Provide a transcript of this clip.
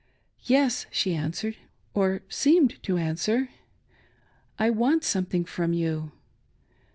" Yes," she answered, or seemed to answer, " I want some thing from you."